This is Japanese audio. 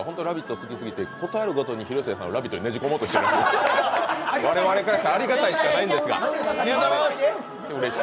好き過ぎてことあるごとに広末さんを「ラヴィット！」にねじ込もうとしてくれてて我々からしたら、ありがたいしかないんですが、うれしい。